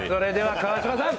川島さん